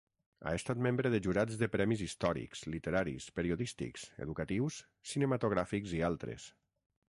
Ha estat membre de jurats de premis històrics, literaris, periodístics, educatius, cinematogràfics i altres.